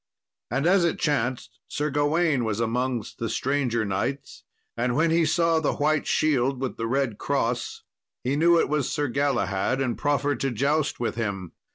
And as it chanced, Sir Gawain was amongst the stranger knights, and when he saw the white shield with the red cross, he knew it was Sir Galahad, and proffered to joust with him.